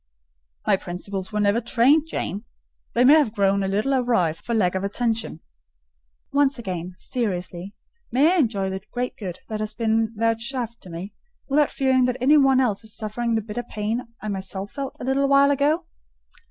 "My principles were never trained, Jane: they may have grown a little awry for want of attention." "Once again, seriously; may I enjoy the great good that has been vouchsafed to me, without fearing that any one else is suffering the bitter pain I myself felt a while ago?"